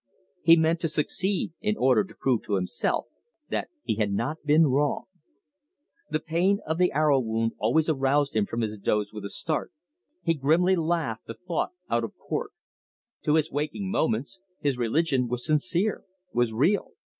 He meant to succeed in order to prove to himself that he had not been wrong. The pain of the arrow wound always aroused him from his doze with a start. He grimly laughed the thought out of court. To his waking moments his religion was sincere, was real.